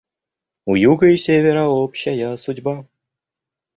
У Юга и Севера общая судьба.